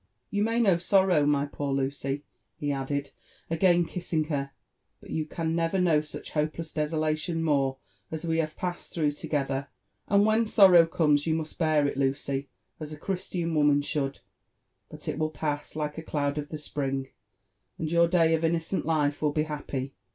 You may know sorrow, my poor Lucy/' be added, again kissing her, '' but you can never know such hopelesa desolation ooore, as we have passed through together : and when nor* row comes, you must bear it, Lucy, as a Christian woman should ; but it will pass like a eloud of the spring, and your day of innocool life will be happy.